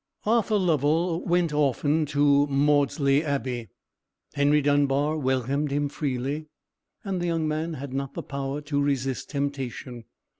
Arthur Lovell went often to Maudesley Abbey. Henry Dunbar welcomed him freely, and the young man had not the power to resist temptation.